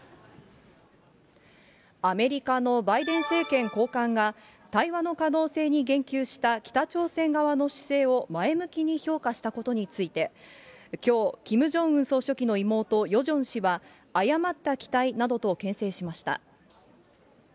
アメリカのバイデン政権高官が、対話の可能性に言及した北朝鮮側の姿勢を前向きに評価したことについて、きょう、キム・ジョンウン総書記の妹、ヨジョン氏は誤った期待などとけん制しました。